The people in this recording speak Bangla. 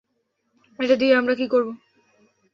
এটা দিয়ে আমরা কী করব?